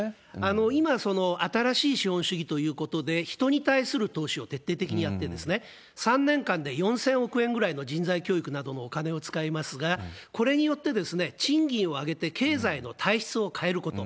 今、新しい資本主義ということで、人に対する投資を徹底的にやって、３年間で４０００億円ぐらいの人材教育などのお金を使いますが、これによって、賃金を上げて、経済の体質を変えること。